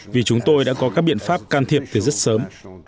vì chúng tôi đã có các biện pháp can thiệp từ rất sớm